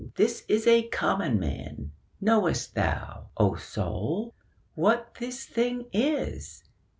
'This is a common man: knowest thou, O soul, What this thing is?